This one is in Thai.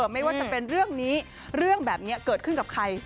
ไม่ว่าจะเป็นเรื่องนี้เรื่องแบบนี้เกิดขึ้นกับใคร